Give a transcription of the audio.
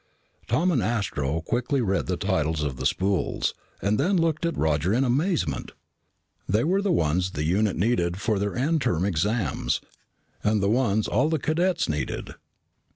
Tom and Astro quickly read the titles of the spools and then looked at Roger in amazement. They were the ones the unit needed for their end term exams, the ones all the cadets needed.